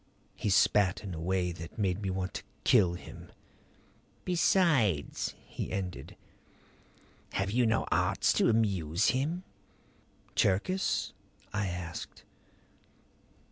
He spat in a way that made me want to kill him. "Besides," he ended, "have you no arts to amuse him?" "Cherkis?" I asked.